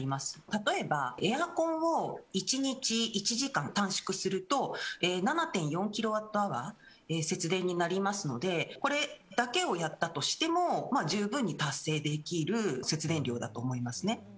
例えば、エアコンを１日１時間短縮すると７．４キロワットアワー節電になりますのでこれだけをやったとしても十分に達成できる節電量だと思います。